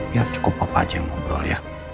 ya cukup papa aja yang ngobrol ya